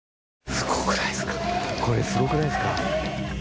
これすごくないですか？